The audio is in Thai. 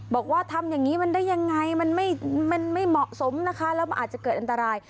บอกว่าทำอย่างนี้มันได้ยังไงมันไม่เหมาะสมนะคะแล้วมันอาจจะเกิดอันตราย